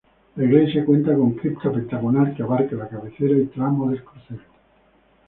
La iglesia cuenta con cripta pentagonal que abarca la cabecera y tramo del crucero.